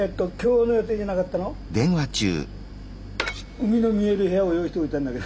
海の見える部屋を用意しといたんだけど。